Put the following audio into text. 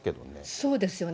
そうですよね。